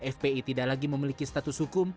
fpi tidak lagi memiliki status hukum